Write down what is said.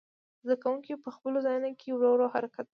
زده کوونکي په خپلو ځایونو کې ورو ورو حرکت وکړي.